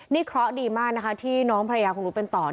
นี่เคราะห์ดีมากที่น้องพระยาคงรู้เป็นต่อ